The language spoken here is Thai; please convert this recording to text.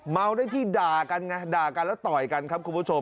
เมาได้ที่ด่ากันไงด่ากันแล้วต่อยกันครับคุณผู้ชม